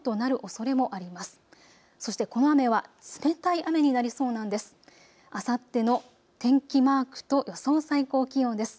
そしてこの雨は冷たい雨になりそうなんです。